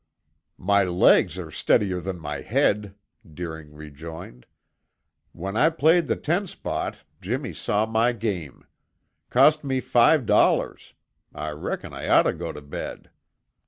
"My legs are steadier than my head," Deering rejoined. "When I played the ten spot Jimmy saw my game. Cost me five dollars. I reckon I ought to go to bed!"